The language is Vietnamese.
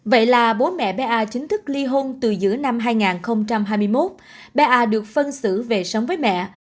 vậy là bố mẹ bé a chính thức ly hôn từ giữa năm hai nghìn hai mươi một bé a được phân xử về sống với mẹ